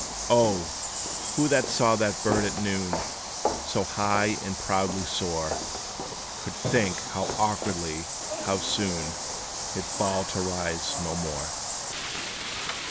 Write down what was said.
O! who that saw that bird at noon So high and proudly soar, Could think how awkwardly how soon, He 'd fall to rise no more?